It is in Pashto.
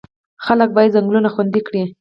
خلک باید ځنګلونه خوندي کړي.